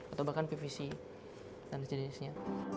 atau bahkan pvc dan sejenisnya